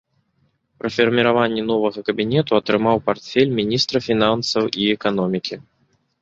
Пры фарміраванні новага кабінета атрымаў партфель міністра фінансаў і эканомікі.